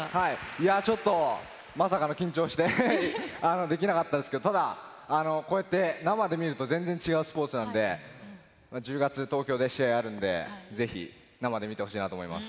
いや、ちょっと、まさかの緊張して、できなかったんですけど、ただ、こうやって生で見ると、全然違うスポーツなんで、１０月、東京で試合あるんで、ぜひ生で見てほしいなと思います。